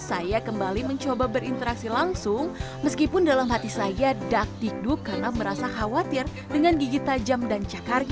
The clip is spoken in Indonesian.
saya kembali mencoba berinteraksi langsung meskipun dalam hati saya dak tikduk karena merasa khawatir dengan gigi tajam dan cakar gigi